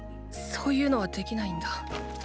そーゆうのはできないんだ。